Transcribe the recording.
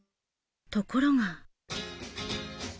ところが。